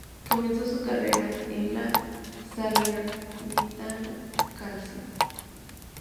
Comenzó su carrera en la Salernitana Calcio.